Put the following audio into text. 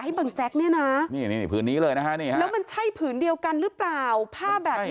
ให้บังจักรนี่นะแล้วมันใช่ผืนเดียวกันหรือเปล่าภาพแบบนี้